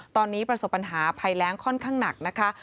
ตอนนี้ประสบปัญหาใผลงค่อนข้างหนัก